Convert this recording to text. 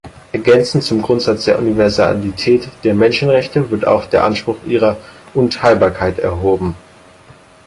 Ergänzend zum Grundsatz der Universalität der Menschenrechte wird auch der Anspruch ihrer "Unteilbarkeit" erhoben.